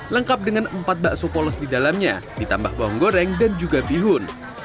lengkap dengan empat bakso polos di dalamnya ditambah bawang goreng dan juga bihun